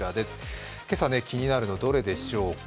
今朝、気になるのはどれでしょうか？